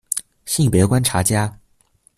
性別觀察家